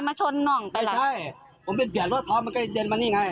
เขาบอกเขาจะรับผิดชอบทุกอย่างเดี๋ยวรับผิดชอบเอง